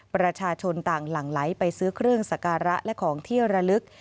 ประชาชนต่างหลั่งไหลไปซื้อเครื่องสการะและของที่ระลึก